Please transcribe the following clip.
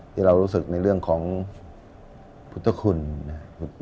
ที่เรารู้สึกในเรื่องของพุทธคุณนะครับ